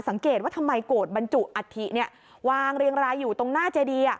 สังเกตว่าทำไมโกรธบรรจุอัฐิวางเรียงรายอยู่ตรงหน้าเจดี